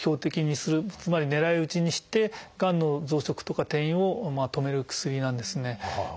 つまり狙い撃ちにしてがんの増殖とか転移を止める薬なんですね。